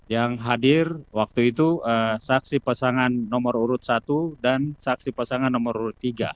yang hadir waktu itu saksi pasangan nomor urut satu dan saksi pasangan nomor tiga